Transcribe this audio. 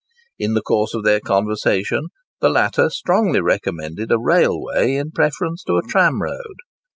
In the course of their conversation, the latter strongly recommended a railway in preference to a tramroad.